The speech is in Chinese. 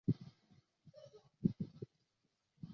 塔上灯光将按季节与主题而变动。